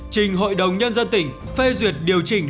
trình hội đồng nhân dân tỉnh phê duyệt điều chỉnh